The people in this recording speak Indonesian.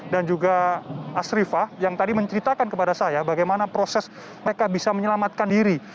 dan juga asrifah yang tadi menceritakan kepada saya bagaimana proses mereka bisa menyelamatkan diri